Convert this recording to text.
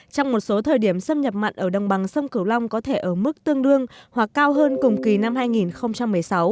trong một số thời điểm xâm nhập mặn ở đồng bằng sông cửu long có thể ở mức tương đương hoặc cao hơn cùng kỳ năm hai nghìn một mươi sáu